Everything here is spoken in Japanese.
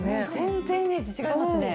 全然イメージ違いますね。